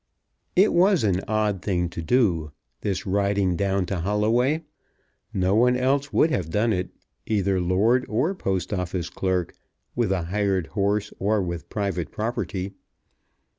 It was an odd thing to do, this riding down to Holloway. No one else would have done it, either lord or Post Office clerk; with a hired horse or with private property.